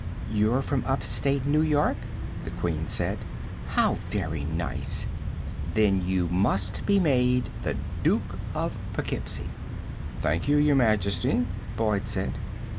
"You're from upstate New York?" the Queen said. "How very nice. Then you must be made the Duke of Poughkeepsie." "Thank you, Your Majesty," Boyd said.